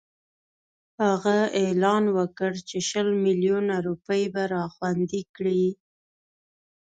هغه اعلان وکړ چې شل میلیونه روپۍ به راغونډي کړي.